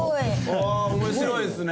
ああ面白いですね。